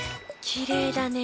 きれいだね。